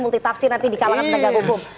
multi tafsir nanti di kalangan penegak hukum